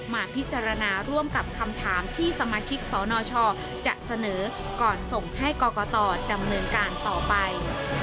มาพิจารณาร่วมกับคำถามที่สมาชิกสนชจะเสนอก่อนส่งให้กรกตดำเนินการต่อไป